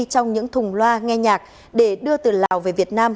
trong những thùng loa nghe nhạc để đưa từ lào về việt nam